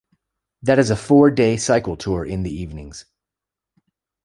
That is a four-day cycle tour in the evenings.